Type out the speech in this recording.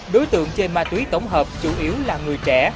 đối tượng trên ma túy tổng hợp chủ yếu là người trẻ